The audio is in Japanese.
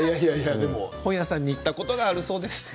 本屋さんに行ったことがあるそうです。